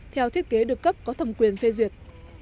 theo thiết kế được cấp có thẩm quyền phê duyệt